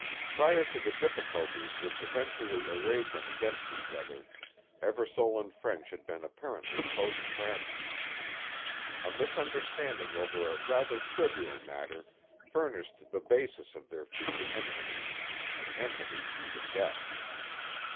Prior to the difficulties which eventually arrayed them against each other, Eversole and French had been apparently close friends. A misunderstanding over a rather trivial matter furnished the basis of their future enmity, an enmity to the death.